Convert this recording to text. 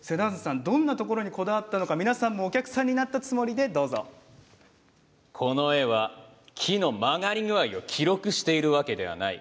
どんなところにこだわったのかお客さんになったつもりでこの絵は木の曲がり具合を記録しているわけではない。